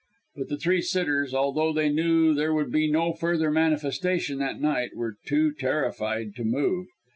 But the three sitters, although they knew there would be no further manifestation that night, were too terrified to move.